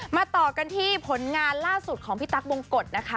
ต่อกันที่ผลงานล่าสุดของพี่ตั๊กบงกฎนะคะ